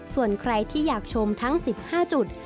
ส่วนใครที่อยากชมทั้ง๑๕จุด